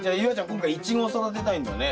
今回イチゴを育てたいんだね。